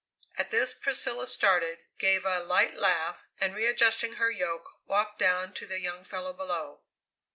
At this Priscilla started, gave a light laugh, and readjusting her yoke, walked down to the young fellow below.